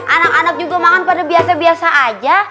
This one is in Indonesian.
anak anak juga makan pada biasa biasa aja